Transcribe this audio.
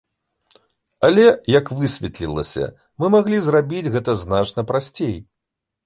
Але, як высветлілася, мы маглі зрабіць гэта значна прасцей.